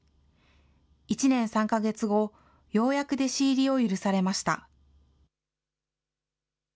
１年３か月後、ようやく弟子入りを許されました。